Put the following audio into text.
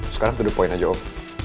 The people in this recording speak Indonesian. sekarang to the point aja om